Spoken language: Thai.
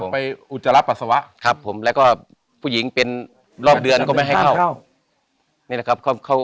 อุจจาระปัสสาวะครับผมแล้วก็ผู้หญิงเป็นรอบเดือนก็ไม่ให้เข้า